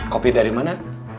kopi dari mana